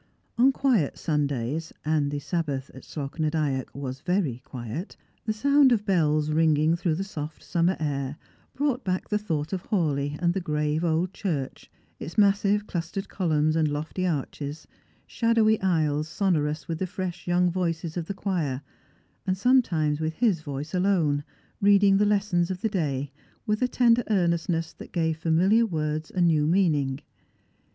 On quiet Sundays, and the Sabbath at Slogh na Dyack was very quiet, the sound of the bells ringing through the soft summer air brought back the thought of Hawleigh and the grave old church, its massive clustered columns and lofty arches, shadowy aisles sonorous with the fresh young voices of the choir, and sometimes with his voice alone, reading the lessons of the day, with a tender earnestness that gave familiar words a new meaning.